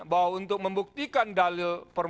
bahwa untuk membuktikan dalil